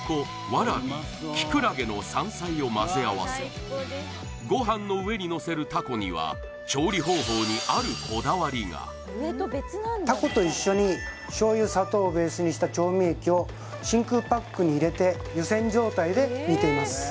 わらびキクラゲの山菜をまぜあわせご飯の上にのせるたこには調理方法にあるこだわりがたこと一緒に醤油砂糖をベースにした調味液を真空パックに入れて湯煎状態で煮ています